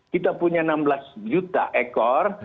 kita punya enam belas juta ekor